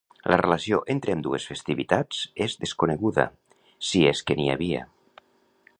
La relació entre ambdues festivitats és desconeguda, si és que n'hi havia.